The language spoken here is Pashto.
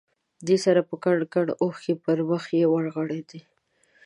دې سره مې کنډ کنډ اوښکې پر مخ را ورغړېدې.